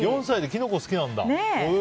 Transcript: ４歳でキノコ好きなんだ。